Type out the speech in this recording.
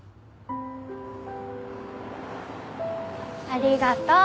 ありがとう。